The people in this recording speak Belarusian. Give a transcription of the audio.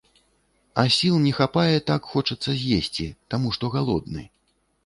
А сіл не хапае, так хочацца з'есці, таму што галодны.